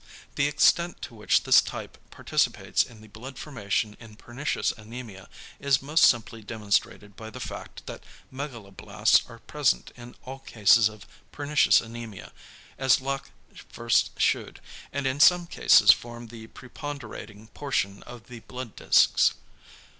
The extent to which this type participates in the blood formation in pernicious anæmia is most simply demonstrated by the fact that megaloblasts are present in all cases of pernicious anæmia, as Laache first shewed, and in some cases form the preponderating portion of the blood discs.